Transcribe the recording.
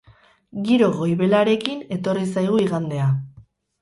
Giro goibelarekin etorri zaigu igandea.